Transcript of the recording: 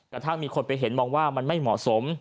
กระทั่งมีคนไปเห็นมองว่ามันไม่เหมาะสม